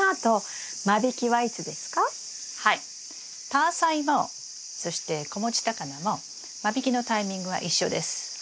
タアサイもそして子持ちタカナも間引きのタイミングは一緒ですはい。